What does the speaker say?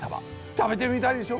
食べてみたいでしょ。